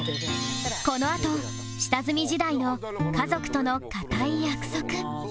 このあと下積み時代の家族との固い約束